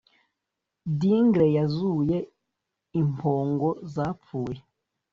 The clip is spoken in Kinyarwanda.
dingle yuzuye impongo zapfuye!